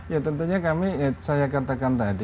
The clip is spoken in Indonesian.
ya tentunya kami saya katakan tadi